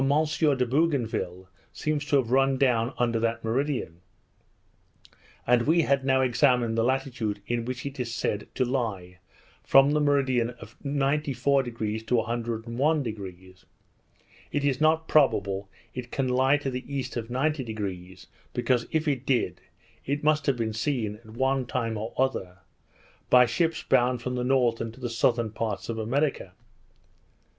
de Bougainville seems to have run down under that meridian; and we had now examined the latitude in which it is said to lie, from the meridian of 94° to 101°. It is not probable it can lie to the east of 90°; because if it did, it must have been seen, at one time or other, by ships bound from the northern to the southern parts of America.